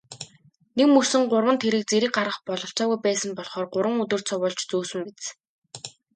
Нэгмөсөн гурван тэрэг зэрэг гаргах бололцоогүй байсан болохоор гурван өдөр цувуулж зөөсөн биз.